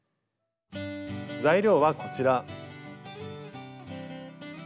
材料はこちら。